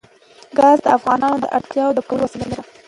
ګاز د افغانانو د اړتیاوو د پوره کولو وسیله ده.